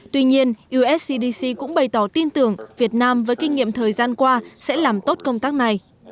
tuy nhiên us cdc cũng bày tỏ tin tưởng việt nam với kinh nghiệm thời gian qua sẽ làm tốt công tác này